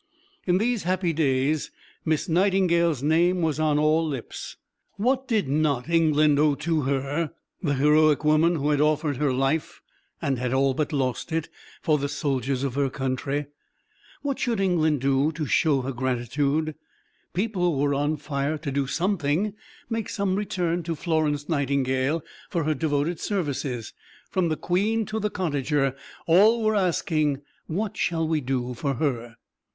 In these happy days Miss Nightingale's name was on all lips. What did not England owe to her, the heroic woman who had offered her life, and had all but lost it, for the soldiers of her country? What should England do to show her gratitude? People were on fire to do something, make some return to Florence Nightingale for her devoted services. From the Queen to the cottager, all were asking: "What shall we do for her?"